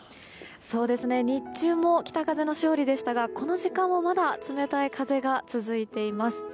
日中も北風の勝利でしたがこの時間もまだ、冷たい風が続いています。